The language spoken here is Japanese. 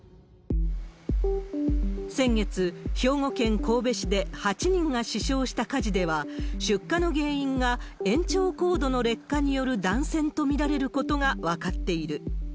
先月、兵庫県神戸市で８人が死傷した火事では、出火の原因が延長コードの劣化による断線と見られることが分かっている。